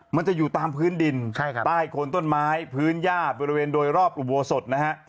มันจะอยู่ตามพื้นดินใต้โคนต้นไม้พื้นย่าบริเวณโดยรอบอุโบสถนะฮะ